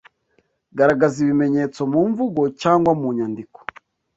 Garagaza ibimenyetso mu mvugo cyangwa mu nyandiko